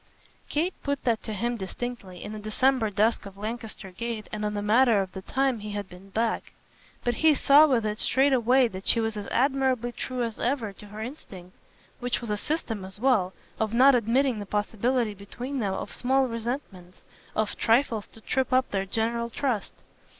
Kate put that to him distinctly, in the December dusk of Lancaster Gate and on the matter of the time he had been back; but he saw with it straightway that she was as admirably true as ever to her instinct which was a system as well of not admitting the possibility between them of small resentments, of trifles to trip up their general trust.